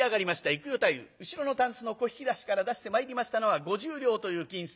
幾代太夫後ろのたんすの小引き出しから出してまいりましたのは五十両という金子。